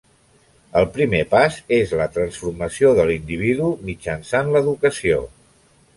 El primer pas és la transformació de l'individu mitjançant l'educació.